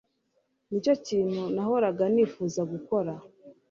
Nicyo kintu nahoraga nifuza gukora